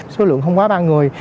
số lượng không quá ba người